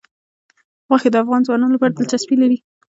غوښې د افغان ځوانانو لپاره دلچسپي لري.